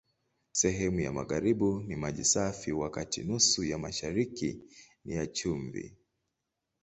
Sehemu ya magharibi ni maji safi, wakati nusu ya mashariki ni ya chumvi.